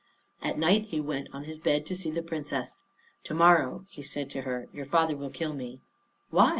At night he went on his bed to see the Princess. "To morrow," he said to her, "your father will kill me." "Why?"